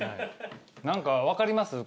何か分かります？